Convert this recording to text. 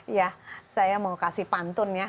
iya saya mau kasih pantun ya